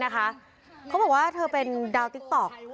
เขาบอกว่าเธอเป็นดาวติ๊กต๊อก